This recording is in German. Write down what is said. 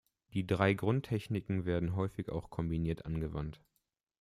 Die drei Grundtechniken werden häufig auch kombiniert angewandt.